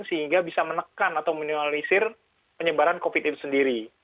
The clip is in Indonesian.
sehingga bisa menekan atau minimalisir penyebaran covid itu sendiri